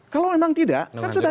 kalau memang tidak